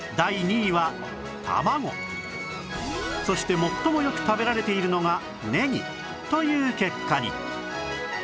そして最もよく食べられているのがねぎという結果に